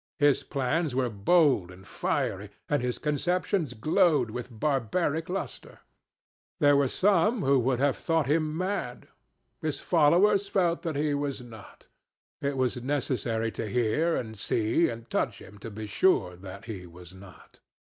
His plans were bold and fiery, and his conceptions glowed with barbaric lustre. There are some who would have thought him mad. His followers felt that he was not. It was necessary to hear and see and touch him to be sure that he was not.